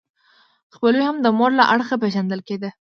خپلوي هم د مور له اړخه پیژندل کیده.